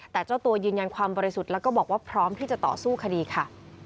แต่เจ้าตัวยืนยันความบริสุทธิ์แล้วก็บอกว่าพร้อมที่จะต่อสู้คดีค่ะ